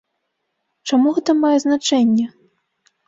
Чаму гэта мае значэнне?